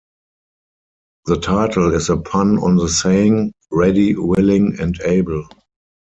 The title is a pun on the saying, Ready, willing, and able.